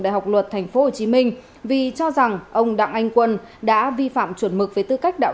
đại học luật thành phố hồ chí minh vì cho rằng ông đặng anh quân đã vi phạm chuẩn mực về tư cách đạo